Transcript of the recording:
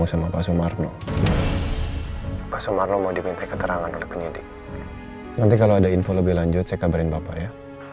sampai jumpa di video selanjutnya